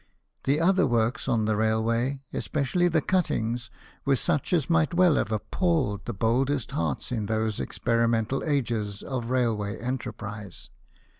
The other works on the railway, especially the cuttings, were such as might well have appalled the boldest heart in those experi mental ages of railway enterprise.